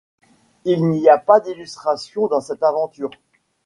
Il n'y a pas d'illustrations dans cette aventure.